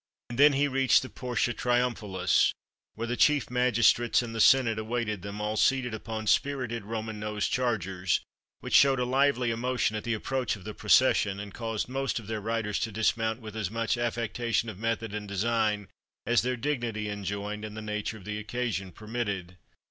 And then he reached the Porta Triumphalis, where the chief magistrates and the Senate awaited them, all seated upon spirited Roman nosed chargers, which showed a lively emotion at the approach of the procession, and caused most of their riders to dismount with as much affectation of method and design as their dignity enjoined and the nature of the occasion permitted.